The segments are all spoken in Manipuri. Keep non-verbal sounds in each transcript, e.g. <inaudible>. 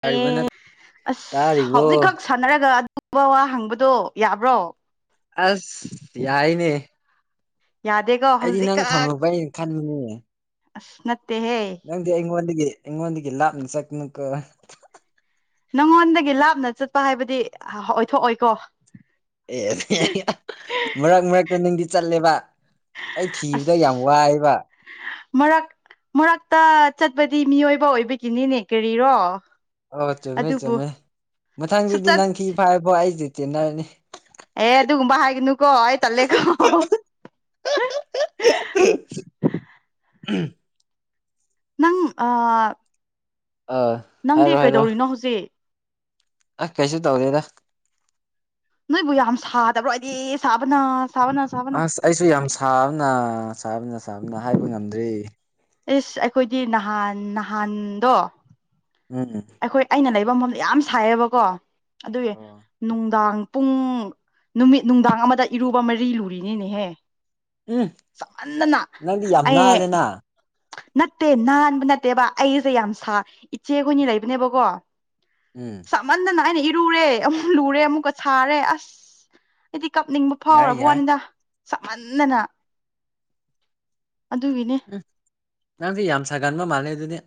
ꯇꯥꯔꯤꯕ ꯅꯠ ꯑꯦ ꯑꯁ ꯇꯥꯔꯤꯕꯣ ꯍꯧꯖꯤꯛꯈꯛ ꯁꯥꯟꯅꯔꯒ ꯋꯥ ꯋꯥ ꯍꯪꯕꯗꯣ ꯌꯥꯕ꯭ꯔꯣ ꯑꯁ ꯌꯥꯏꯅꯦ ꯌꯥꯗꯦꯀꯣ ꯑꯩꯗꯤ ꯅꯪ ꯍꯧꯖꯤꯛꯈꯛ ꯊꯪꯉꯕ ꯑꯩꯅ ꯈꯟꯅꯤꯡꯅꯦ <inaudible> ꯑꯁ ꯅꯠ ꯅꯪꯗꯤ ꯑꯩꯉꯣꯟꯗꯒꯤ ꯑꯩꯉꯣꯟꯗꯒꯤ ꯂꯥꯞꯅ ꯅꯪꯉꯣꯟꯗꯒꯤ ꯂꯥꯞꯅ ꯆꯠꯄ ꯍꯥꯏꯕꯗꯤ ꯑꯣꯏꯊꯣꯛꯑꯣꯏꯀꯣ ꯑꯦ ꯃꯔꯛ ꯃꯔꯛꯇ ꯅꯪꯗꯤ ꯆꯠꯂꯦꯕ ꯑꯩ ꯊꯤꯕꯗ ꯌꯥꯝ ꯑꯁ ꯋꯥꯏꯕ ꯃꯔꯔꯛ ꯃꯔꯔꯥꯛ ꯇ ꯆꯠꯄꯗꯤ ꯃꯤꯑꯣꯏꯕ ꯑꯣꯏꯕꯒꯤꯅꯤꯅꯦ ꯀꯔꯤꯔꯣ ꯑꯣ ꯆꯨꯝꯃꯦ ꯑꯗꯨꯕꯨ ꯆꯨꯝꯃꯦ ꯁꯨꯞꯆꯠ ꯑꯦ ꯑꯗꯨꯒꯨꯝꯕ ꯍꯥꯏꯒꯅꯨꯀꯣ ꯑꯩ ꯇꯜꯂꯦꯀꯣ ꯎꯝ ꯅꯪ ꯑ ꯑꯥ ꯅꯪꯗꯤ ꯀꯩꯗꯧꯔꯤꯅꯣ ꯍꯧꯖꯤꯛ ꯑ ꯀꯩꯁꯨ ꯇꯧꯔꯤꯦꯗ ꯅꯣꯏꯕꯨ ꯌꯥꯝ ꯁꯥꯗꯕ꯭ꯔꯣ ꯑꯩꯗꯤ ꯁꯥꯕꯅ ꯁꯥꯕꯅ ꯁꯥꯕꯅ ꯑꯁ ꯑꯩꯁꯨ ꯌꯥꯝ ꯁꯥꯕꯅ ꯁꯥꯕꯅ ꯁꯥꯕꯅ ꯍꯥꯏꯕ ꯉꯝꯗ꯭ꯔꯤ ꯏꯁ ꯑꯩꯈꯣꯏꯗꯤ ꯅꯍꯥꯟ ꯅꯍꯥꯟꯗꯣ <inaudible> ꯎꯝ ꯑꯩꯈꯣꯏ ꯑꯩꯅ ꯂꯩꯕ ꯃꯝꯗ ꯌꯥꯝ ꯁꯥꯏꯌꯦꯕꯀꯣ ꯑꯗꯨꯒꯤ ꯑꯣ ꯅꯨꯡꯗꯥꯡ ꯄꯨꯡ ꯅꯨꯃꯤꯠ ꯅꯨꯡꯗꯥꯡ ꯑꯃꯗ ꯏꯔꯨꯕ ꯃꯔꯤ ꯂꯨꯔꯤꯅꯤꯅꯦꯍꯦ ꯎꯝ ꯆꯞꯃꯝꯅꯅ ꯅꯪꯗꯤ ꯌꯥꯝ ꯑꯩ ꯅꯥꯜꯂꯦꯅ ꯅꯠꯇꯦ ꯅꯥꯟꯕ ꯅꯠꯇꯦꯕ ꯑꯩꯁꯦ ꯌꯥꯝ ꯁꯥ ꯏꯆꯦ ꯍꯨꯅꯤ ꯂꯩꯕꯅꯦꯕꯀꯣ ꯎꯝ ꯆꯥꯃꯟꯗꯅ ꯑꯩꯅ ꯏꯔꯨꯔꯦ ꯑꯃꯨꯛ ꯂꯨꯔꯦ ꯑꯃꯨꯛꯀ ꯁꯥꯔꯦ ꯑꯁ ꯍꯥꯏꯗꯤ ꯀꯞꯅꯤꯡꯕ ꯌꯥꯏ ꯐꯥꯎꯔꯕ ꯌꯥꯏ ꯋꯥꯅꯤꯗ ꯆꯞꯃꯥꯟꯅꯅ ꯎ ꯅꯪꯁꯨ ꯌꯥꯝ ꯁꯥꯒꯟꯕ ꯃꯥꯜꯂꯦ ꯑꯗꯨꯗꯤ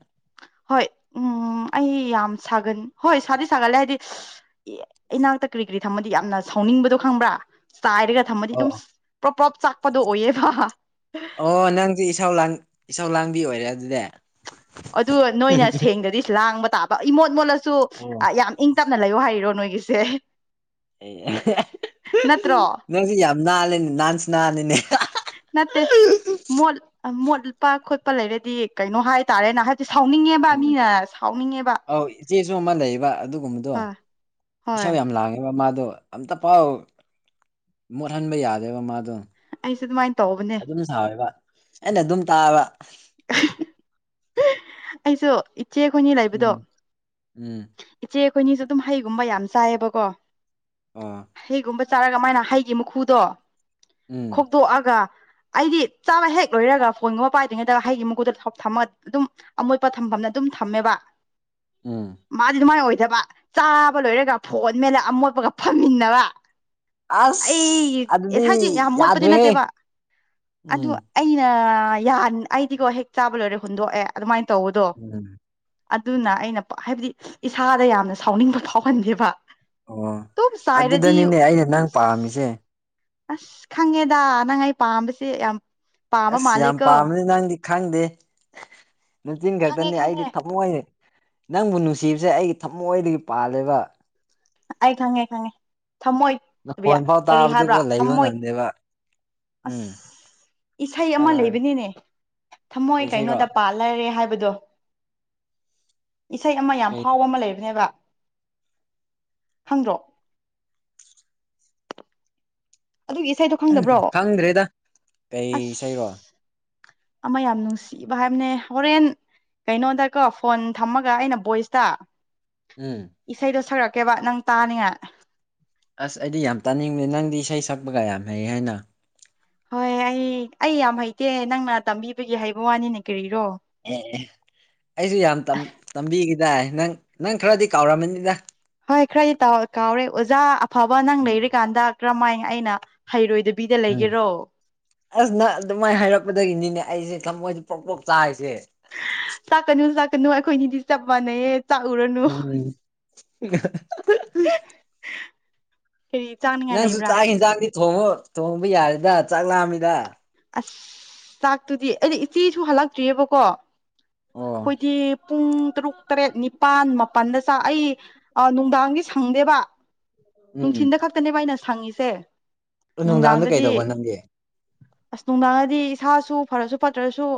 ꯍꯣꯏ ꯎꯝ ꯑꯩ ꯌꯥꯝ ꯁꯥꯒꯅꯤ ꯍꯣꯏ ꯁꯥꯗꯤ ꯁꯥꯒꯠꯂꯦ ꯍꯥꯏꯗꯤ꯫ ꯀꯔꯤ ꯀꯔꯤ ꯊꯝꯃꯗꯤ ꯌꯥꯝꯅ ꯁꯥꯎꯅꯤꯡꯕꯗꯣ ꯈꯪꯕ꯭ꯔꯥ ꯆꯥꯏꯔꯒ ꯊꯝꯃꯗꯤ ꯑꯗꯨꯝ ꯑꯣ ꯄ꯭ꯔꯣꯞ ꯄ꯭ꯔꯣꯞ ꯆꯥꯛꯄꯗꯣ ꯑꯣꯏꯌꯦꯕ ꯃꯤ ꯑꯣꯏꯔꯦ ꯑꯗꯨꯗꯤ <inaudible> ꯑꯗꯨ ꯅꯣꯏꯅ ꯁꯦꯡꯗꯗꯤ ꯂꯥꯡꯕ ꯇꯥꯕ ꯏꯃꯣꯠ ꯃꯣꯠꯂꯁꯨ ꯑꯣ ꯌꯥꯝꯪ ꯇꯞꯅ ꯂꯩꯌꯣ ꯍꯥꯏꯔꯣ ꯅꯣꯏꯒꯤꯁꯦ ꯑꯦ ꯅꯠꯇ꯭ꯔꯣ ꯅꯣꯏꯁꯨ ꯌꯥꯝ ꯅꯥꯂꯦꯅꯦ ꯅꯥꯍꯟꯁꯨ ꯅꯥꯜꯂꯤꯦꯅꯦ ꯅꯠꯇꯦ ꯃꯣꯠ ꯃꯣꯠꯄ ꯈꯣꯠꯄ ꯂꯩꯔꯗꯤ ꯀꯩꯅꯣ ꯍꯥꯏꯇꯥꯔꯦꯅꯦ ꯍꯥꯏ ꯁꯤ ꯁꯥꯎꯅꯤꯡꯉꯦꯕ ꯎꯝ ꯃꯤꯅ ꯁꯥꯎꯅꯤꯡꯉꯦꯕ ꯑꯧ ꯏꯆꯦꯁꯨ ꯑꯃ ꯂꯩꯌꯦꯕ ꯑꯗꯨꯒꯨꯝꯕꯗꯣ ꯍꯣꯏ ꯍꯣꯏ ꯏꯁꯥꯎ ꯌꯥꯝ ꯂꯥꯡꯉꯦꯕ ꯃꯥ ꯑꯗꯣ ꯑꯝꯇ ꯄꯥꯎ ꯃꯣꯠꯍꯟꯕ ꯌꯥꯗꯦꯕ ꯃꯥꯗꯣ ꯑꯩꯁꯦ ꯑꯗꯨꯃꯥꯏꯅ ꯇꯧꯕꯅꯦ ꯑꯗꯨꯝ ꯁꯥꯎꯋꯦꯕ ꯑꯩꯅ ꯑꯗꯨꯝ ꯇꯥꯕ ꯑꯩꯁꯨ ꯏꯆꯦ ꯈꯣꯏꯅꯤ ꯂꯩꯕꯗꯣ ꯎꯝ ꯎꯝ ꯏꯆꯦ ꯑꯩꯈꯣꯏꯅꯤꯁꯨ ꯑꯄꯨꯃꯜ ꯑꯣ ꯍꯩꯒꯨꯝꯕ ꯆꯥꯔꯒ ꯃꯥꯏꯅ ꯍꯩꯒꯤ ꯃꯈꯨꯗꯣ ꯎꯝ ꯈꯣꯛꯇꯣꯛꯑꯒ ꯑꯩꯗꯤ ꯆꯥꯕ ꯍꯦꯛ ꯂꯣꯏꯔꯒ ꯐꯣꯟꯒꯨꯝꯕ ꯄꯥꯏꯗ꯭ꯔꯤꯉꯩꯗ ꯍꯩꯒꯤ ꯃꯀꯨꯗ ꯊꯝꯃ ꯑꯗꯨꯝ ꯑꯃꯣꯠꯄ ꯊꯝꯐꯝꯅ ꯑꯗꯨꯝ ꯊꯝꯃꯦꯕ ꯎꯝ ꯃꯥꯗꯤ ꯑꯗꯨꯃꯥꯏꯅ ꯑꯣꯏ ꯗꯕ ꯆꯥꯕ ꯂꯣꯏꯔꯒ ꯐꯣꯟ ꯃꯂ ꯑꯃꯣꯠꯄꯒ ꯐꯝꯃꯤꯟꯅꯕ ꯑꯁ ꯑꯩ ꯑꯗꯨꯗꯤ ꯏꯁꯥꯏꯗꯤ ꯌꯥꯝ ꯃꯣꯠꯄꯗꯤ ꯌꯥꯗ꯭ꯔꯦꯍꯦ ꯅꯠꯇꯦꯕ ꯑꯗꯨ ꯎꯝ ꯑꯩꯅ ꯑꯩꯗꯤꯒꯣ ꯍꯦꯛ ꯆꯥꯕ ꯂꯣꯏꯔꯦ ꯍꯨꯟꯗꯣꯛꯑꯦ ꯑꯗꯨꯃꯥꯏꯅ ꯇꯧꯕꯗꯣ ꯎꯝ ꯑꯗꯨꯅ ꯑꯩꯅ ꯍꯥꯏꯕꯗꯤ ꯏꯁꯥꯗ ꯌꯥꯝꯅ ꯁꯥꯎꯅꯤꯡꯕ ꯐꯥꯎꯍꯟꯗꯦꯕ ꯑꯣ ꯑꯗꯨꯝ ꯆꯥꯏꯔꯗꯤ ꯑꯗꯨꯗꯅꯤꯅꯦ ꯑꯩꯅ ꯅꯪ ꯄꯥꯝꯃꯤꯁꯦ ꯑꯁ ꯈꯪꯉꯦꯗ ꯅꯪ ꯑꯩ ꯄꯥꯝꯕꯁꯦ ꯌꯥꯝ ꯄꯥꯝꯕ ꯑꯁ ꯌꯥꯝ ꯃꯥꯜꯂꯦꯀꯣ ꯄꯥꯝꯕꯅꯤ ꯅꯪꯗꯤ ꯈꯪꯗꯦ ꯆꯤꯟ ꯈꯪꯉꯦ ꯈꯛꯇꯅꯦ ꯑꯩꯗꯤ ꯈꯪꯉꯦ ꯊꯝꯃꯣꯏꯅꯦ ꯅꯪꯕꯨ ꯅꯨꯡꯁꯤꯕꯁꯦ ꯑꯩꯒꯤ ꯊꯃꯣꯏꯗꯒꯤ ꯄꯥꯜꯂꯦꯕ ꯑꯩ ꯈꯪꯉꯦ ꯈꯪꯉꯦ ꯊꯝꯃꯣꯏꯕꯤꯌꯥ ꯅꯈꯣꯟ ꯐꯥꯎ ꯀꯔꯤ ꯍꯥꯏꯕ꯭ꯔꯣ ꯇꯥꯕꯗꯨꯀꯣ ꯂꯩꯕ ꯊꯝꯃꯣꯏ ꯉꯝꯗꯦꯕ ꯎꯝ ꯑꯁ ꯏꯁꯩ ꯑꯃ ꯍꯥꯏꯔꯣ ꯍꯥꯏꯔꯣ ꯂꯩꯕꯅꯤꯅꯦ ꯊꯝꯃꯣꯏ ꯀꯩ ꯏꯁꯩꯔꯣ ꯀꯩꯅꯣꯗ ꯄꯥꯜꯂꯔꯦ ꯍꯥꯏꯕ ꯏꯁꯩ ꯑꯃ ꯌꯥꯝ ꯀꯩ ꯐꯥꯎꯕ ꯑꯃ ꯂꯩꯕꯅꯦꯕ ꯍꯪꯗ꯭ꯔꯣ ꯑꯗꯨꯒꯤ ꯏꯁꯩꯗꯣ ꯈꯪꯗꯕ꯭ꯔꯣ ꯈꯪꯗ꯭ꯔꯦꯗ ꯀꯩ ꯑꯁ ꯏꯁꯩꯔꯣ ꯑꯃ ꯌꯥꯝ ꯅꯨꯡꯁꯤ ꯚ ꯍꯥꯏꯕꯅꯦ ꯍꯣꯔꯦꯟ ꯀꯩꯅꯣꯗꯀꯣ ꯐꯣꯟ ꯊꯝꯃꯒ ꯑꯩꯅ ꯚꯣꯏꯁꯇ ꯎꯝ ꯏꯁꯩꯗꯣ ꯁꯛꯀꯦꯕ ꯅꯪ ꯇꯥꯅꯤꯉꯥꯏ ꯑꯁ ꯑꯩꯗꯤ ꯌꯥꯝ ꯇꯥꯅꯤꯡꯕꯅꯦ ꯅꯪꯗꯤ ꯏꯁꯩ ꯁꯛꯄꯒ ꯌꯥꯝ ꯍꯩ ꯍꯥꯏꯅ ꯍꯣꯏ ꯑꯩ ꯑꯩ ꯌꯥꯝ ꯍꯩꯇꯦ ꯅꯪꯅ ꯇꯝꯕꯤꯕꯒꯤ ꯍꯩꯕ ꯋꯥꯅꯤꯅꯦ ꯀꯔꯤ ꯑꯩꯁꯨ ꯌꯥꯝ ꯇꯝꯕꯤ ꯌꯥꯏ ꯅꯪ ꯅꯪ ꯈꯔꯗꯤ ꯀꯥꯎꯔꯝꯃꯅꯤꯗ ꯍꯣꯏ ꯈꯔꯗꯤ ꯀꯥꯎꯔꯦ ꯑꯣꯖꯥ ꯑꯐꯕ ꯅꯪ ꯂꯩꯔꯤꯀꯥꯟꯗ ꯀꯔꯝꯍꯥꯏꯅ ꯑꯩꯅ ꯍꯩꯔꯣꯏꯗꯣꯏ ꯎꯝ ꯑꯁ ꯅ ꯑꯗꯨꯃꯥꯏꯅ ꯍꯥꯏꯔꯛꯄꯗꯒꯤꯅꯤꯅꯦ ꯑꯩꯁꯦ ꯊꯃꯣꯏꯁꯦ ꯄ꯭ꯔꯣꯛꯇꯣꯛ ꯆꯥꯔꯤꯁꯦ ꯆꯥꯛꯀꯅꯨ ꯆꯥꯛꯀꯅꯨ ꯑꯩꯈꯣꯏꯅꯤꯗꯤ ꯆꯞ ꯃꯥꯟꯅꯩꯌꯦ ꯇ ꯎꯔꯅ ꯎꯝ ꯅꯪꯁꯨ ꯆꯥꯛ ꯌꯦꯟꯁꯥꯡꯗꯤ ꯊꯣꯡꯉꯨ ꯊꯣꯡꯕ ꯌꯥꯔꯦꯗ ꯆꯥꯛ ꯂꯥꯑꯝꯃꯤꯗ ꯑꯁ ꯆꯥꯛꯇꯨꯗꯤ ꯑꯩꯗꯤ ꯏꯆꯦꯁꯨ ꯍꯜꯂꯛꯇ꯭ꯔꯤꯑꯕꯀꯣ ꯑꯣ ꯑꯩꯈꯣꯏꯗꯤ ꯄꯨꯡ ꯇꯔꯨꯛ ꯇꯔꯦꯠ ꯅꯤꯄꯥꯜ ꯃꯥꯄꯜꯗ ꯆꯥꯛ ꯑꯩ ꯅꯨꯡꯗꯥꯡꯗꯤ ꯁꯪꯗꯦꯕ ꯎꯝ ꯅꯨꯡꯊꯤꯟꯗ ꯈꯛꯇꯅꯦꯕ ꯑꯩꯅ ꯁꯪꯉꯤꯁꯦ ꯅꯨꯡꯗꯥꯡꯗ ꯀꯩ ꯅꯨꯡꯗꯥꯡꯗꯗꯤ ꯇꯧꯕ ꯅꯪꯒꯦ ꯑꯁ ꯅꯨꯡꯗꯥꯡꯉꯗꯤ ꯏꯁꯥꯁꯨ ꯐꯔꯁꯨ ꯐꯠꯇ꯭ꯔꯁꯨ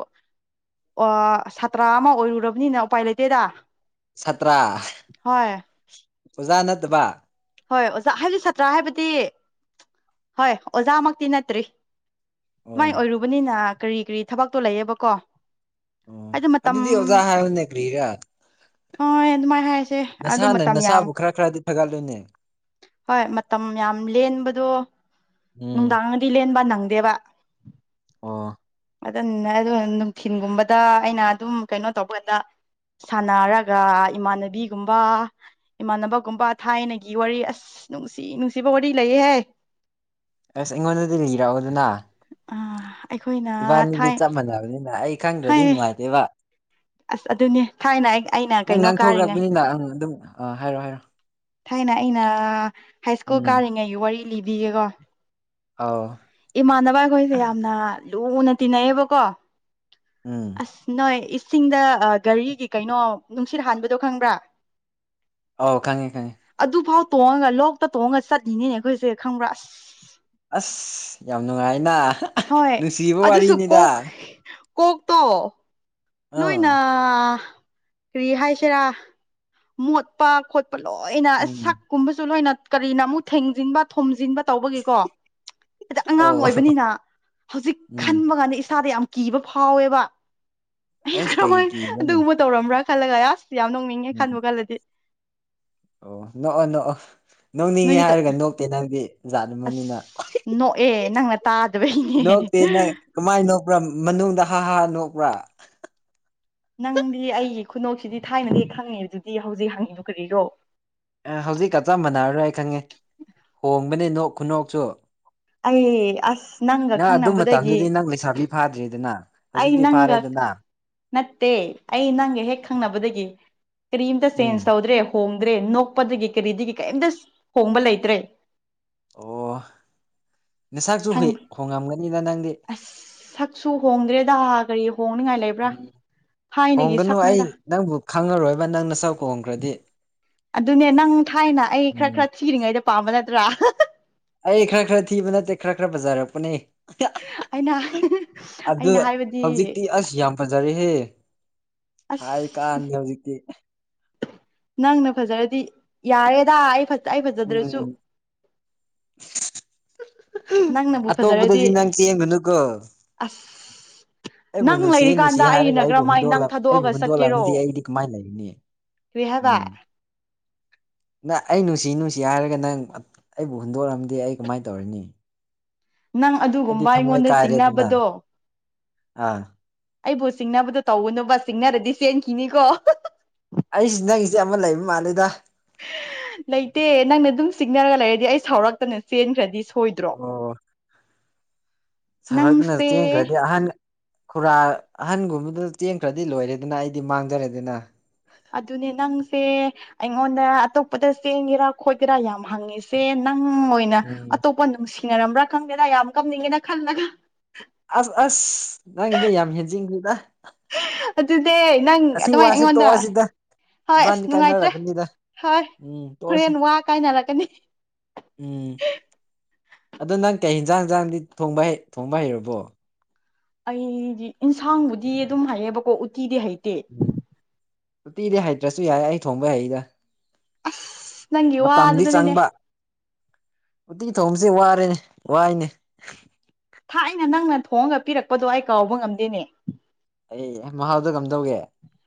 ꯑꯣ ꯁꯥꯇ꯭ꯔ ꯑꯃ ꯑꯣꯏꯔꯨꯔꯕꯅꯤꯅ ꯎꯄꯥꯏ ꯂꯩꯇꯦꯗ ꯁꯥꯠꯇ꯭ꯔꯥ ꯍꯣꯏ ꯑꯣꯖꯥ ꯅꯠꯇꯕ ꯍꯣꯏ ꯑꯣꯖꯥ ꯍꯥꯏꯕꯗꯤ ꯁꯥꯇ꯭ꯔ ꯍꯥꯏꯕꯗꯤ ꯍꯣꯏ ꯑꯣꯖꯥꯃꯛꯇꯤ ꯅꯠꯇ꯭ꯔꯤ ꯃꯥꯏ ꯑꯣ ꯑꯣꯏꯔꯨꯕꯅꯤꯅ ꯀꯔꯤ ꯀꯔꯤ ꯊꯕꯛꯇꯣ ꯂꯩꯌꯦꯕꯀꯣ ꯑꯣ ꯍꯥꯏꯗꯤ ꯃꯇꯝ ꯑꯗꯨꯗꯤ ꯑꯣꯖꯥ ꯍꯥꯏꯕꯅꯦ ꯀ꯭ꯔꯤꯔ ꯍꯣꯏ ꯑꯗꯨꯃꯥꯏꯅ ꯍꯥꯏꯁꯦ ꯑꯗꯨ ꯃꯇꯝ ꯌꯥꯝ ꯅꯁꯥꯕꯨ ꯈꯔ ꯈꯔꯗꯤ ꯐꯒꯠꯂꯨꯅꯦ ꯍꯣꯏ ꯃꯇꯝ ꯌꯥꯝ ꯂꯦꯟꯕꯗꯣ ꯎꯝ ꯅꯨꯡꯗꯥꯡꯗꯤ ꯂꯦꯟꯕ ꯅꯪꯗꯦꯕ ꯑꯣ ꯑꯗꯨ ꯑꯗꯨ ꯅꯨꯡꯊꯤꯟꯒꯨꯝꯕꯗ ꯑꯩꯅ ꯑꯗꯨꯝ ꯀꯩꯅꯣ ꯇꯧꯕꯥꯟꯗ ꯁꯥꯟꯅꯔꯒ ꯏꯃꯥꯟꯅꯕꯤꯒꯨꯝꯕ ꯏꯃꯥꯟꯅꯕꯒꯨꯝꯕ ꯊꯥꯏꯅ ꯒꯤ ꯋꯥꯔꯤ ꯑꯁ ꯅꯨꯡꯁꯤ ꯅꯨꯡꯁꯤꯕ ꯋꯥꯔꯤ ꯂꯩꯌꯦꯍꯦ ꯑꯁ ꯑꯩꯉꯣꯟꯗꯗꯤ ꯂꯩꯕꯤꯔꯛꯑꯣ ꯑꯗꯨꯅ ꯑ ꯏꯕꯥꯅꯤꯗꯤ ꯆꯞ ꯃꯥꯟꯅꯕꯅꯤꯅ ꯑꯩ ꯈꯪꯗ꯭ꯔꯗꯤ ꯍꯥꯏ ꯅꯨꯡꯉꯥꯏꯇꯦꯕ ꯑꯁ ꯑꯗꯨꯅꯦ ꯊꯥꯏꯅ ꯑꯩ ꯑꯩꯅ ꯅꯪ ꯀꯩꯅꯣ ꯀꯥꯔꯤꯉꯩ ꯉꯥꯡꯊꯣꯛꯔꯛꯄꯅꯤꯅ ꯑꯪ ꯑꯗꯨꯝ ꯑꯥ ꯍꯥꯏꯔꯣ ꯍꯥꯏꯔꯣ ꯊꯥꯏꯅ ꯑꯩꯅ ꯍꯥꯏ ꯁ꯭ꯀꯨꯜ ꯎꯝ ꯀꯥꯔꯤꯉꯩꯒꯤ ꯋꯥꯔꯤ ꯂꯤꯗꯤꯒꯦꯀꯣ <inaudible> ꯑꯧ ꯎꯝ ꯑꯁ ꯅꯣꯏ ꯆꯤꯡꯗ ꯒꯥꯔꯤꯒꯤ ꯀꯩꯅꯣ ꯅꯨꯡꯁꯤꯠ ꯍꯥꯟꯕꯗꯣ ꯈꯪꯕ꯭ꯔꯥ ꯑꯥꯎ ꯈꯪꯉꯦ ꯈꯪꯉꯤ ꯑꯗꯨꯐꯥꯎ ꯇꯣꯡꯉꯒ ꯂꯣꯛꯇ ꯇꯣꯡꯉꯒ ꯆꯠꯂꯤꯅꯤꯅꯦ ꯑꯩꯈꯣꯏꯁꯦ ꯈꯪꯕ꯭ꯔꯥ ꯑꯁ ꯑꯁ ꯌꯥꯝ ꯅꯨꯡꯉꯥꯏꯅ ꯍꯣꯏ ꯑꯗꯨ ꯅꯨꯡꯁꯤꯕ ꯑꯗꯨꯁꯨꯀꯣ ꯋꯥꯔꯤꯅꯤꯗ ꯀꯣꯛꯇꯣ ꯑꯥ ꯅꯣꯏꯅ ꯀꯔꯤ ꯍꯥꯏꯁꯤꯔꯥ ꯃꯣꯠꯄ ꯈꯣꯠꯄ ꯂꯣꯏꯅ ꯎꯝ ꯁꯛꯀꯨꯝꯕꯁꯨ ꯂꯣꯏꯅ ꯀꯔꯤꯅ ꯑꯃꯨꯛ ꯊꯦꯡꯖꯤꯟꯕ ꯊꯣꯝꯖꯤꯟꯕ ꯇꯧꯕꯒꯤꯀꯣ ꯑꯗꯤ ꯑꯉꯥꯡ ꯑꯧ ꯑꯣꯏꯕꯅꯤꯅ ꯍꯧꯖꯤꯛ ꯎꯝ ꯈꯟꯕ ꯀꯥꯟꯗ ꯏꯁꯥꯗ ꯌꯥꯝ ꯀꯤꯕ ꯐꯥꯎꯋꯦꯕ ꯑꯩ ꯑꯩꯁ ꯀꯩꯒꯤ ꯀꯔꯝꯍꯥꯏ ꯀꯤꯕ꯭ꯔꯅꯦ ꯑꯗꯨꯒꯨꯝꯕ ꯇꯧꯔꯝꯕ꯭ꯔꯥ ꯈꯜꯂꯒ ꯑꯁ ꯌꯥꯝ ꯅꯣꯡꯅꯤꯡꯉꯦ ꯈꯟꯕ ꯎꯝ ꯈꯜꯂꯗꯤ ꯑꯣ ꯅꯣꯛꯑꯣ ꯅꯣꯛꯑꯣ ꯅꯣꯛꯅꯤꯡꯉꯦ ꯅꯣꯏꯗꯣ ꯍꯥꯏꯔꯒ ꯅꯣꯛꯇꯦ ꯅꯪꯗꯤ ꯑꯁ ꯌꯥꯠꯗꯨꯕꯅꯤꯅ ꯅꯣꯛꯑꯦ ꯅꯪꯅ ꯇꯥꯗꯕꯩꯅꯦ ꯅꯣꯛꯇꯦ ꯅꯪ ꯀꯃꯥꯏꯅ ꯅꯣꯛꯄ꯭ꯔꯥ ꯃꯅꯨꯡꯗ ꯍꯥ ꯍꯥ ꯅꯣꯛꯄ꯭ꯔꯥ ꯅꯪꯗꯤ ꯑꯩꯒꯤ ꯈꯨꯅꯣꯛꯁꯤꯗꯤ ꯊꯥꯏꯅꯗꯤ ꯈꯪꯉꯦꯕ ꯑꯗꯨꯗꯤ ꯍꯧꯖꯤꯛ ꯍꯪꯉꯤꯕ ꯀꯔꯤꯔꯣ ꯑꯦ ꯍꯧꯖꯤꯛꯀꯞ ꯆꯞ ꯃꯥꯟꯅꯔꯔꯣꯏ ꯍꯥꯏ ꯈꯪꯉꯦ ꯍꯣꯡꯕꯅꯤ ꯅꯣꯛ ꯈꯨꯅꯣꯛꯁꯨ ꯑꯩ ꯑꯁ ꯅꯪꯒ ꯅꯪ ꯑꯗꯨ ꯈꯪꯅꯕꯗꯒꯤ ꯃꯇꯝꯗꯗꯤ ꯅꯪ ꯂꯩꯁꯥꯕꯤ ꯐꯥꯗ꯭ꯔꯤꯗꯅ ꯑꯩ ꯍꯧꯖꯤꯛꯇꯤ ꯅꯪꯒ ꯐꯥꯔꯦꯗꯅ ꯅꯠꯇꯦ ꯑꯩ ꯅꯪꯒ ꯍꯦꯛ ꯈꯪꯅꯕꯗꯒꯤ ꯀꯔꯤꯝꯇ ꯎꯝ ꯆꯦꯟꯖ ꯇꯧꯗ꯭ꯔꯦ ꯍꯣꯡꯗ꯭ꯔꯦ ꯅꯣꯛꯄꯗꯒꯤ ꯀꯔꯤꯗꯒꯤ ꯀꯩꯝꯇ ꯍꯣꯡꯕ ꯂꯩꯇ꯭ꯔꯦ ꯑꯣ ꯅꯁꯥꯛꯁꯨ ꯈꯪ ꯍꯨꯏ ꯍꯣꯡꯉꯝꯒꯅꯤꯗ ꯅꯪꯗꯤ ꯑꯁ ꯁꯛꯁꯨ ꯍꯣꯡꯗ꯭ꯔꯦꯗ ꯀꯔꯤ ꯍꯣꯡꯅꯤꯉꯥꯏ ꯂꯩꯕ꯭ꯔꯥ ꯎꯝ ꯊꯥꯏꯅꯒꯤ ꯍꯣꯡꯒꯅꯨ ꯑꯩ ꯁꯛꯅꯦꯗ ꯅꯪꯕꯨ ꯈꯪꯉꯔꯣꯏꯕ ꯅꯪꯅ ꯆꯧꯀꯣꯡꯈ꯭ꯔꯗꯤ ꯑꯗꯨꯅꯦ ꯅꯪ ꯊꯥꯏꯅ ꯑꯩ ꯈꯔ ꯈꯔ ꯊꯤꯔꯤꯉꯩꯗ ꯄꯥꯝꯕ ꯅꯠꯇ꯭ꯔꯥ ꯑꯩ ꯈꯔ ꯈꯔ ꯊꯤꯕ ꯅꯠꯇꯦ ꯈꯔ ꯈꯔ ꯕꯖꯥꯔꯛꯄꯅꯦ ꯑꯩꯅ ꯑꯗꯨ ꯑꯩꯅ ꯍꯥꯏꯕꯗꯤ ꯍꯧꯖꯤꯛꯇꯤ ꯑꯁ ꯌꯥꯝ ꯐꯖꯔꯦ ꯍꯥꯏ ꯀꯥ ꯑꯁ ꯍꯧꯖꯤꯛꯀꯤ ꯅꯪꯅ ꯐꯖꯔꯗꯤ ꯌꯥꯔꯦꯗ ꯑꯩ ꯇꯥꯏ ꯐꯖꯗ꯭ꯔꯁꯨ ꯎꯝ ꯅꯪ ꯅꯕꯨ ꯐꯖꯔꯗꯤ ꯑꯇꯣꯞꯄꯗꯗꯤ ꯅꯪ ꯆꯦꯟꯒꯅꯨꯀꯣ ꯑꯁ ꯑꯩꯕꯨ ꯅꯪ ꯅꯨꯡꯁꯤ ꯅꯨꯡꯁꯤ ꯂꯩꯔꯤꯀꯥꯟꯗ ꯍꯥꯏꯔꯒ ꯑꯩꯅ ꯑꯩꯕꯨ ꯀꯔꯝꯍꯥꯏ ꯅꯪ ꯍꯨꯟꯗꯣꯛꯂ ꯑꯩꯕꯨ ꯊꯥꯗꯣꯛꯑꯒ ꯆꯠꯀꯦꯔꯣ ꯍꯨꯟꯗꯣꯛꯂꯝꯑꯝꯗꯤ ꯑꯩꯗꯤ ꯀꯃꯥꯏꯅ ꯂꯩꯒꯅꯤ ꯍꯒ ꯅ ꯑꯩ ꯅꯨꯡꯁꯤ ꯅꯨꯡꯁꯤ ꯍꯥꯏꯔꯒ ꯅꯪ ꯑꯩꯕꯨ ꯍꯨꯟꯗꯣꯔꯛꯑꯝꯗꯦ ꯑꯩ ꯀꯃꯥꯏꯅ ꯇꯧꯔꯅꯤ ꯅꯪ ꯑꯩꯗꯤ ꯑꯗꯨꯒꯨꯝꯕ ꯊꯝꯃꯣꯏ ꯑꯩꯉꯣꯟꯗ ꯀꯥꯏꯔꯦꯗꯅ ꯆꯤꯡꯅꯕꯗꯣ ꯑꯥ ꯑꯩꯕꯨ ꯆꯤꯡꯅꯕꯗꯣ ꯇꯧꯒꯨꯅꯨꯕ ꯆꯤꯡꯅꯔꯗꯤ ꯆꯦꯟꯈꯤꯅꯤꯀꯣ ꯑꯩꯁꯤꯦ ꯅꯪꯒꯤꯆꯦ ꯑꯃ ꯂꯩꯕ ꯃꯥꯜꯂꯦꯗ ꯂꯩꯇꯦ ꯅꯪꯅ ꯑꯗꯨꯝ ꯆꯤꯛꯅꯔꯒ ꯂꯩꯔꯗꯤ ꯑꯩ ꯁꯥꯎꯔꯛꯇꯅ ꯆꯦꯟꯈ꯭ꯔꯗꯤ ꯊꯣꯏꯗ꯭ꯔꯣ ꯁꯔꯅ ꯆꯦꯟꯈ꯭ꯔꯗꯤ ꯑꯍꯥꯟꯕ ꯈꯨꯔꯥ ꯑꯍꯟꯒꯨꯝꯕꯗꯨ ꯆꯦꯟꯈ꯭ꯔꯗꯤ ꯂꯣꯏꯔꯦꯗꯅ ꯑꯩꯗꯤ ꯃꯥꯡꯖꯔꯦꯗꯅ ꯑꯗꯨꯅꯦ ꯅꯪꯁꯦ ꯑꯩꯉꯣꯟꯗ ꯑꯇꯣꯞꯄꯗ ꯆꯦꯡꯒꯦꯔꯥ ꯈꯣꯠꯀꯦꯔꯥ ꯌꯥꯝ ꯍꯪꯉꯤꯁꯦ ꯅꯪ ꯑꯣꯏꯅ ꯎꯝ ꯑꯇꯣꯞꯄ ꯅꯨꯡꯁꯤꯅꯔꯝꯕ꯭ꯔꯥ ꯈꯪꯗꯦꯗ ꯌꯥꯝ ꯀꯞꯅꯤꯡꯒꯦꯅ ꯈꯜꯂꯒ ꯑꯁ ꯑꯁ ꯅꯪꯗ ꯌꯥꯝ ꯍꯦꯟꯖꯤꯟꯁꯤꯦꯗ ꯑꯗꯨꯅꯦ ꯅꯪ ꯑꯁꯤ ꯑꯗꯨꯃꯥꯏꯅ ꯋꯥꯁꯤ ꯑꯩꯉꯣꯟꯗ ꯇꯣꯛꯑꯁꯤꯗ ꯍꯣꯏ ꯑꯁ ꯏꯕꯥꯅꯤ ꯅꯨꯡꯉꯥꯏꯇ꯭ꯔꯦ ꯀꯥꯏꯅꯔꯛꯒꯅꯤꯗ ꯍꯣꯏ ꯎꯝ ꯇꯣꯁꯦ ꯍꯣꯔꯦꯟ ꯋꯥ ꯀꯥꯏꯅꯔꯛꯀꯅꯤ ꯎꯝ ꯑꯗꯣ ꯅꯪ ꯀꯩ ꯌꯦꯟꯖꯥꯡ ꯍꯟꯖꯥꯡꯗꯤ ꯊꯣꯡꯕ ꯊꯣꯡꯕ ꯍꯩꯔꯕꯣ ꯑꯩꯗꯤ ꯏꯟꯁꯥꯡꯕꯨꯗꯤ ꯑꯗꯨꯝ ꯍꯩꯌꯦꯕꯀꯣ ꯎꯇꯤꯗꯤ ꯍꯩꯇꯦ ꯎꯝ ꯎꯇꯤꯗꯤ ꯍꯩꯇ꯭ꯔꯁꯨ ꯌꯥꯏ ꯑꯩ ꯊꯣꯡꯕ ꯍꯩꯗ ꯑꯁ ꯅꯪꯒꯤ ꯃꯇꯝꯗꯤ ꯋꯥꯗꯨꯗꯅꯤꯅꯦ ꯆꯪꯕ ꯎꯇꯤꯀꯤ ꯊꯧꯝꯁꯦ ꯋꯥꯔꯦꯅꯦ ꯋꯥꯏꯅꯦ ꯊꯥꯏꯅ ꯅꯪꯅ ꯊꯣꯡꯉꯒ ꯄꯤꯔꯛꯄꯗꯣ ꯑꯩ ꯀꯥꯎꯕ ꯉꯝꯗꯦꯅꯦ ꯑꯦ ꯃꯍꯥꯎꯗ ꯀꯝ ꯇꯧꯒꯦ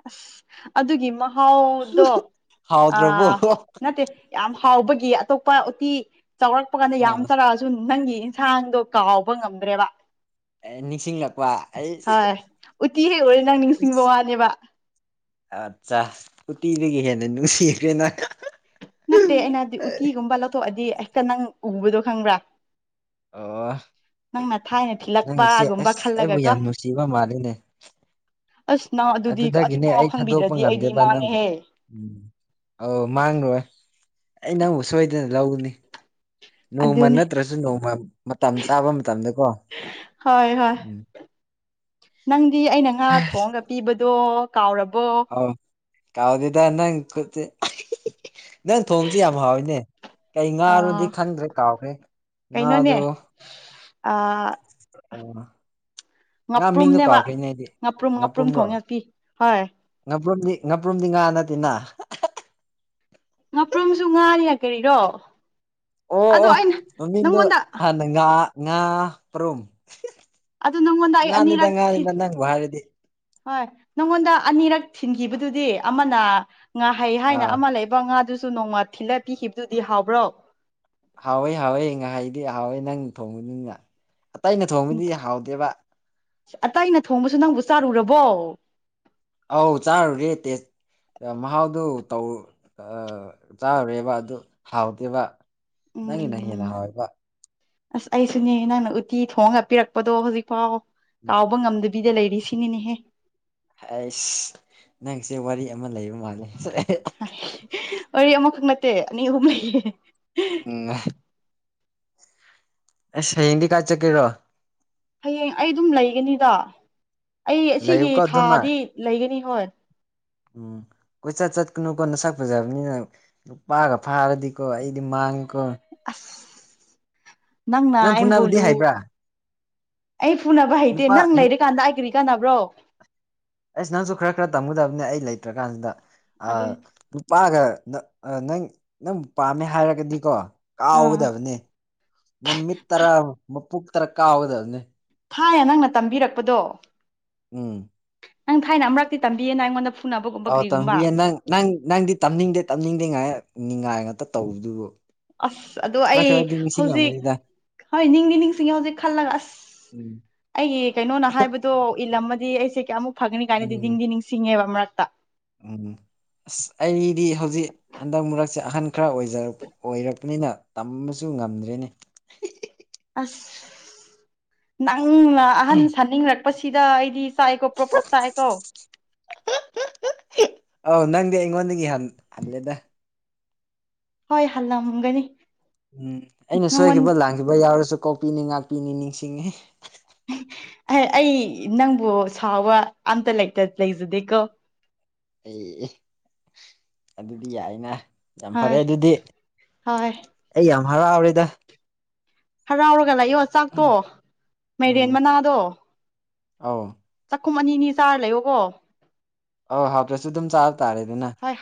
ꯑꯁ ꯑꯗꯨꯒꯤ ꯃꯥ ꯍꯥꯎꯗꯣ ꯑ ꯍꯥꯎꯗ꯭ꯔꯕꯣ ꯅꯠꯇꯦ ꯌꯥꯝ ꯍꯥꯎꯕꯒꯤ ꯑꯇꯣꯞꯄ ꯎꯄꯥ ꯎꯇꯤ ꯆꯥꯎꯔꯛꯄ ꯀꯥꯟꯗ ꯌꯥꯝ ꯑꯥ ꯆꯔꯛꯑꯁꯨ ꯅꯪꯒꯤ ꯏꯟꯁꯥꯡꯗꯣ ꯀꯥꯎꯕ ꯉꯝꯗ꯭ꯔꯦꯕ ꯑꯦ ꯅꯤꯡꯁꯤꯡꯂꯛꯄ ꯑꯩ ꯍꯣꯏ ꯎꯇꯤ ꯍꯩ ꯑꯣꯏꯔꯦ ꯅꯪ ꯅꯤꯡꯁꯤꯡꯕ ꯋꯥꯅꯦꯕ ꯑꯠꯆꯥ ꯎꯇꯤ ꯂꯩꯒ ꯍꯦꯅ ꯅꯨꯡꯁꯤ ꯀꯦꯅ ꯅꯠꯇꯦ ꯑꯩꯅꯗꯤ ꯎꯠꯇꯤꯒꯨꯝꯕ ꯂꯧꯊꯣꯛꯑꯗꯤ ꯍꯦꯛꯇ ꯅꯪ ꯎꯕꯗꯣ ꯈꯪꯕ꯭ꯔꯥ ꯑ ꯅꯪꯅ ꯊꯥꯏꯅ ꯅꯪ ꯏꯆꯦ ꯊꯤꯜꯂꯛꯄꯒꯨꯝꯕ ꯑꯁ ꯑꯩꯕꯨ ꯈꯜꯂꯒꯀꯣ ꯌꯥꯝ ꯅꯨꯡꯁꯤꯕ ꯃꯥꯜꯂꯤꯅꯦ ꯑꯁ ꯅꯪ ꯑꯗꯨꯗꯤ ꯑꯗꯨꯗꯒꯤꯅꯦ ꯑꯗꯨꯐꯥꯎ ꯑꯩ ꯊꯥꯗꯣꯛꯄ ꯈꯪꯕꯤꯗ꯭ꯔꯗꯤ ꯑꯩꯗꯤ ꯉꯝꯗꯦꯕ ꯅꯪꯕꯨ ꯃꯥꯡꯉꯦꯍꯦ ꯎꯝ ꯑꯧ ꯃꯥꯡꯂꯣꯏ ꯑꯩ ꯅ ꯑꯃꯕꯨꯛ ꯁꯣꯏꯗꯅ ꯂꯧꯒꯅꯤ ꯅꯣꯡꯃ ꯑꯗꯨꯅꯦ ꯅꯠꯇ꯭ꯔꯁꯨ ꯅꯣꯡꯃ ꯃꯇꯝ ꯆꯥꯕ ꯃꯇꯝꯗꯀꯣ ꯍꯣꯏ ꯍꯣꯏ ꯎꯝ ꯅꯪꯗꯤ ꯑꯩꯅ ꯉꯥ ꯊꯣꯡꯉꯒ ꯄꯤꯕꯗꯣ ꯀꯥꯎꯔꯕ ꯍꯥꯎ ꯀꯥꯎꯗꯗꯅꯪ ꯀꯠꯇ ꯅꯪ ꯊꯣꯡꯕꯁꯤ ꯌꯥꯝ ꯍꯥꯎꯋꯏꯅꯦ ꯀꯩ ꯉꯥꯅꯣꯗꯤ ꯑꯥ ꯈꯪꯗ꯭ꯔꯦ ꯀꯥꯎꯈ꯭ꯔꯦ ꯀꯩꯅꯣꯅꯦ ꯉꯥꯗꯨꯣ ꯑꯥ ꯑ ꯉꯥ ꯃꯤꯡꯗꯣ ꯉꯥꯄ꯭ꯔꯨꯝꯅꯦꯕ ꯀꯥꯎꯈ꯭ꯔꯤꯅꯦ ꯑꯩꯗꯤ ꯉꯥꯄ꯭ꯔꯨꯝ ꯉꯥꯄ꯭ꯔꯨꯝ ꯉꯥꯄꯨꯝꯔꯣ ꯊꯣꯡꯉꯦ ꯄꯤ ꯍꯣꯏ ꯉ꯭ꯔꯨꯝꯗꯤ ꯉꯥꯄ꯭ꯔꯨꯝꯗꯤ ꯉꯥ ꯅꯠꯇꯦꯅ ꯉꯄ꯭ꯔꯨꯝꯁꯨ ꯉꯥꯔꯤꯌꯥ ꯀꯔꯤꯔꯣ ꯑꯣ ꯑꯗꯣ ꯑꯣ ꯑꯩꯅ ꯃꯃꯤꯡꯗꯣ ꯅꯪꯉꯣꯟꯗ ꯍꯥꯟꯅ ꯉꯥ ꯉꯥ ꯄꯔꯨꯝ ꯑꯗꯨ ꯅꯪꯉꯣꯟꯗ ꯑꯩ ꯑꯅꯤꯔꯛ ꯊ ꯅꯪꯕꯨ ꯍꯥꯏꯔꯗꯤ ꯍꯣꯏ ꯅꯪꯉꯣꯟꯗ ꯑꯅꯤꯔꯛ ꯊꯤꯟꯈꯤꯕꯗꯨꯗꯤ ꯑꯃꯅ ꯉꯥꯍꯩ ꯍꯥꯏꯅ ꯑꯥ ꯑꯃ ꯂꯩꯕ ꯉꯥꯗꯨꯁꯨ ꯅꯣꯡꯃ ꯊꯤꯜꯂ ꯄꯤꯈꯤꯕꯗꯨꯗꯤ ꯍꯥꯎꯕ꯭ꯔꯣ ꯍꯥꯎꯋꯦ ꯍꯥꯎꯋꯦ ꯉꯥꯏꯍꯥꯏꯗꯤ ꯍꯥꯎꯋꯦ ꯅꯪ ꯊꯣꯡꯕꯨꯅꯤꯡꯅ ꯑꯇꯩꯩꯅ ꯊꯣꯡꯕꯗꯤ ꯍꯥꯎꯗꯦꯕ ꯑꯇ ꯑꯩꯅ ꯊꯣꯡꯕꯁꯨ ꯅꯪꯕꯨ ꯆꯥꯔꯨꯔꯕꯣ ꯑꯧ ꯆꯥꯔ ꯔꯦ ꯇ ꯃꯍꯥꯎꯗꯨ ꯇ ꯆꯥꯔꯨꯔꯦꯕ ꯑꯗꯨ ꯍꯥꯎꯗꯦꯕ ꯅꯪꯒꯤꯅ ꯍꯦꯟꯅ ꯎꯝ ꯍꯣꯏꯕ ꯑꯁ ꯑꯩꯁꯨꯅꯦ ꯅꯪꯅ ꯎꯠꯇꯤ ꯊꯣꯡꯉꯒ ꯄꯤꯔꯛꯄꯗꯣ ꯍꯧꯖꯤꯛꯐꯥꯎ ꯀꯥꯎꯕ ꯉꯝꯗ ꯕꯤꯗ ꯂꯩꯔꯤ ꯁꯤꯅꯤꯅꯦꯍꯦ ꯑꯩꯁ ꯅꯪꯁꯦ ꯋꯥꯔꯤ ꯑꯃ ꯂꯩꯕ ꯃꯥꯜꯂꯦ ꯋꯥꯔꯤ ꯑꯃꯈꯛ ꯅꯠꯇꯦ ꯑꯅꯤ ꯑꯍꯨꯝꯍꯩꯌꯦ ꯎꯝ ꯁ ꯍꯟꯗꯤ ꯀ ꯆ ꯀꯔꯣ ꯍꯌꯦꯡ ꯑꯩ ꯑꯗꯨꯝ ꯂꯩꯒꯅꯤꯗ ꯑꯩ ꯑꯁꯤꯒꯤ ꯂꯩꯌꯨꯀꯣ ꯑꯗꯨꯃ ꯊꯥꯗꯤ ꯂꯩꯒꯅꯤ ꯍꯣꯏ ꯎꯝ ꯀꯣꯏꯆꯠ ꯆꯠꯀꯅꯨꯀꯣ ꯅꯁꯛ ꯐꯖꯕꯅꯤꯅ ꯅꯨꯄꯥꯒ ꯐꯥꯔꯗꯤꯀꯣ ꯑꯩꯗꯤ ꯃꯥ ꯄꯦꯡꯥꯡꯀꯣꯡꯣꯛ ꯑꯁ ꯅꯪꯅ ꯅꯪ ꯐꯨꯅꯕꯗꯤ ꯑꯦꯝ ꯣꯂꯨ ꯍꯩꯕ꯭ꯔꯥ ꯅꯨꯄꯥ ꯅꯨ ꯑꯩ ꯀꯔꯤ ꯀꯥꯟꯅꯕ꯭ꯔꯣ ꯑꯁ ꯅꯎꯁꯨ ꯈꯔ ꯈꯔ ꯇꯃꯨꯗ ꯑꯗꯨ ꯑꯩ ꯂꯩꯇ꯭ꯔꯀꯥꯟꯁꯤꯗ ꯑꯗꯨ ꯅꯨꯄꯥꯒ ꯅꯪ ꯅꯪꯕꯨ ꯄꯥꯝꯃꯦ ꯍꯥꯏꯔꯒꯗꯤꯀꯣ ꯑꯥ ꯀꯥꯎꯒꯗꯕꯅꯤ ꯃꯃꯤꯠ ꯇꯔꯥ ꯃꯄꯨ ꯇꯔꯥ ꯀꯥꯎꯒꯗꯕꯅꯤ ꯊꯥꯏ ꯅꯪꯅ ꯇꯝꯕꯤꯔꯛꯄꯗꯣ ꯎꯝ ꯅꯪ ꯊꯥꯏꯅ ꯑꯃꯔꯨꯔꯛꯇꯤ ꯇꯝꯕꯤꯌꯦꯅ ꯑꯩꯉꯣꯟꯗ ꯐꯨꯅꯕꯒꯨꯝꯕ ꯑꯧ ꯀꯔꯤꯒꯨꯝꯕ ꯇꯝꯕꯤꯌꯦ ꯅꯪ ꯅꯪ ꯅꯪꯗꯤ ꯇꯝꯅꯤꯡꯗꯦ ꯇꯝꯅꯤꯡꯗꯦ ꯉꯥꯏꯅꯤꯡꯉꯥꯏ ꯉꯥꯛꯇ ꯇꯧꯕꯗꯨꯕꯨ ꯑꯁ ꯑꯗꯣ ꯈꯔ ꯑꯩ ꯈꯔꯗꯤ ꯍꯧꯖꯤꯛ ꯅꯤꯡꯁꯤꯡꯉꯝꯒꯅꯤꯗ ꯍꯣꯏ ꯅꯤꯡꯗꯤ ꯅꯤꯡꯁꯤꯡꯉꯦ ꯍꯧꯖꯤꯛ ꯈꯜꯂꯒ ꯑꯁ ꯎꯝ ꯑꯩꯒꯤ ꯀꯩꯅꯣꯅ ꯍꯥꯏꯕꯗꯣ ꯏꯜꯂꯝꯗ ꯗꯤ ꯑꯩꯁꯦ ꯀꯌꯥꯃꯨꯛ ꯐꯒꯅꯤ ꯀꯥꯏꯅꯗꯤ ꯎꯝ ꯅꯤꯡꯗꯤ ꯅꯤꯡꯁꯤꯡꯉꯦꯕ ꯃꯔꯛꯇ ꯎꯝ ꯑꯁ ꯑꯩꯗꯤ ꯍꯧꯖꯤꯛ ꯍꯟꯗꯛ ꯃꯔꯛ ꯑꯁꯦ ꯑꯍꯟ ꯈꯔꯖ ꯑꯣꯏꯔꯛꯄꯅꯤꯅ ꯇꯝꯕꯁꯨ ꯉꯝꯗ꯭ꯔꯦꯅꯦ ꯑꯁ ꯅꯪꯅ ꯑꯍꯟ ꯁꯥꯅꯤꯡꯔꯛꯄꯁꯤꯗ ꯑꯩꯗꯤ ꯁꯥꯥꯏꯀꯣ ꯄ꯭ꯔꯣ ꯄ꯭ꯔꯣꯞ ꯁꯥꯥꯏꯀ ꯑꯥꯎ ꯅꯪꯗꯤ ꯑꯩꯉꯣꯟꯗꯒꯤ ꯍꯜꯂꯦꯗ ꯍꯣꯏ ꯍꯜꯂꯝꯃꯝꯒꯅꯤ ꯎꯝ ꯑꯩꯅ ꯁꯣꯏꯈꯤꯕ ꯂꯥꯟꯈꯤꯕ ꯌꯥꯎꯔꯁꯨ ꯀꯣꯛꯄꯤꯅꯤ ꯉꯥꯛꯄꯤꯅꯤ ꯅꯤꯡꯁꯤꯡꯉ ꯑꯦꯍꯦ ꯑꯩ ꯅꯪꯕꯨ ꯁꯥꯥꯎꯕ ꯑꯝꯇ ꯂꯩꯇ ꯂꯩꯖꯗꯦꯀꯣ ꯑꯦ ꯑꯗꯨꯗꯤ ꯌꯥꯏꯅ ꯌꯥꯝ ꯐꯔꯦ ꯍꯣꯏ ꯑꯗꯨꯗꯤ ꯍꯣꯏ ꯑꯩ ꯌꯥꯝ ꯍꯔꯥꯎꯔꯤꯦꯗ ꯍꯔꯥꯎꯔꯒ ꯂꯥꯛꯌꯣ ꯆꯥꯛꯇꯣ ꯃꯥꯏꯔꯦꯟ ꯃꯅꯥꯗꯣ ꯑꯥꯎ ꯀꯨꯝ ꯑꯅꯤꯅꯤ ꯆꯥꯔ ꯂꯩꯌꯣꯀꯣ ꯑ ꯍꯥꯄ꯭ꯔꯁꯨ ꯑꯗꯨꯝ ꯆꯥꯕ ꯇꯥꯔꯦ ꯑꯗꯨꯅ ꯍꯣꯏ